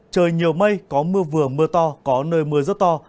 trời nhiều mây có mưa vừa mưa to có nơi mưa rất to